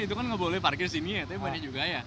itu kan nggak boleh parkir sini ya tapi banyak juga ya